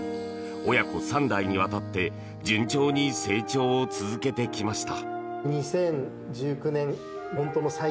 親子３代にわたって順調に成長を続けてきました。